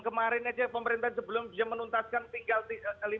kemarin aja pemerintahan sebelum bisa menuntaskan tinggal lima puluh tiga titik